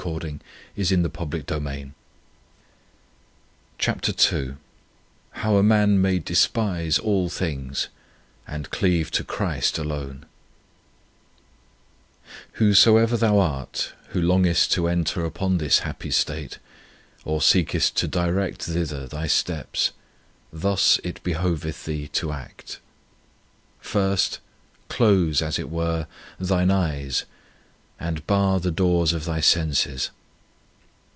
vi. 6. 18 CHAPTER II HOW A MAN MAY DESPISE ALL THINGS AND CLEAVE TO CHRIST ALONE WHOSOEVER thou art who longest to enter upon this happy state or seekest to direct thither thy steps, thus it behoveth thee to act. First, close, as it were, thine eyes, and bar the doors of thy senses.